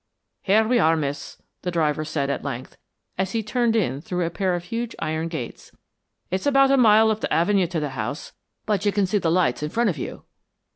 "Here we are, miss," the driver said at length, as he turned in through a pair of huge iron gates. "It's about a mile up the avenue to the house but you can see the lights in front of you."